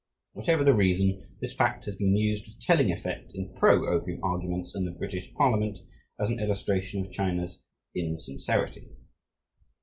Whatever the reason, this fact has been used with telling effect in pro opium arguments in the British Parliament as an illustration of China's "insincerity."